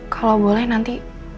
kalau boleh nanti